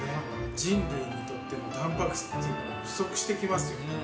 人類にとってのたんぱく質というのは不足していきますよね。